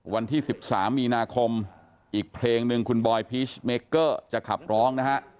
วันที่๑๓มีนาคมอีกเพลงหนึ่งคุณบอยพีชเมเกอร์จะขับร้องนะฮะ